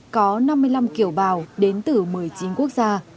có năm mươi năm kiều bào đến từ một mươi chín quốc gia